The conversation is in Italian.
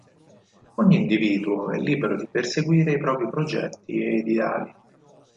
Ogni individuo è libero di perseguire i propri progetti ed ideali.